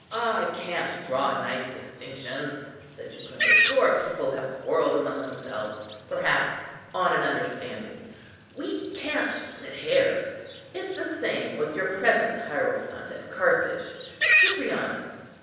"I can't draw nice distinctions," said Jucundus. "Your people have quarrelled among themselves perhaps on an understanding; we can't split hairs. It's the same with your present hierophant at Carthage, Cyprianus.